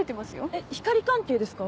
えっ光莉関係ですか？